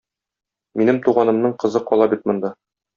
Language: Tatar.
Минем туганымның кызы кала бит монда.